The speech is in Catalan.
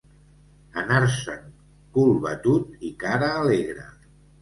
Anar-se'n cul batut i cara alegre.